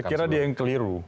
saya kira dia yang keliru